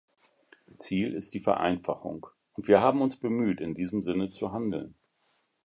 Ziel ist die Vereinfachung, und wir haben uns bemüht, in diesem Sinne zu handeln.